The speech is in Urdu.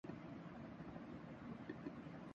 جمعیت طلبہ کا کردار تھا جو اختلاف رائے برداشت نہیں کر سکتی